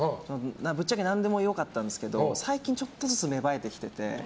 ぶっちゃけ何でもよかったんですけど最近、ちょっとずつ芽生えてきてて。